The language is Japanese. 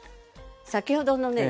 先ほどのね